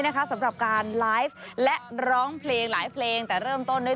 สำหรับการไลฟ์และร้องเพลงหลายเพลงแต่เริ่มต้นด้วย